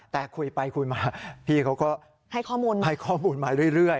แต่คุยไปคุยมาพี่เขาก็ให้ข้อมูลมาเรื่อย